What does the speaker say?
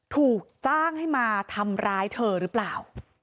ถูกจ้างให้มาทำร้ายเธอหรือเปล่า